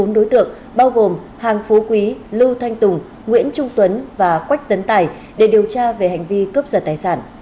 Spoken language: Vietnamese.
bốn đối tượng bao gồm hàng phú quý lưu thanh tùng nguyễn trung tuấn và quách tấn tài để điều tra về hành vi cướp giật tài sản